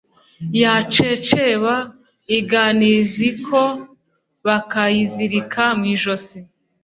yaceceba iganiziko bakayizirika mw’ijosi.